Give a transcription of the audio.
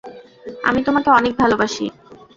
আমি তোমাকে অনেক ভালোবাসি।